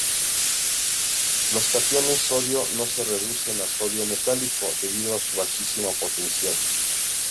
Los cationes sodio no se reducen a sodio metálico, debido a su bajísimo potencial.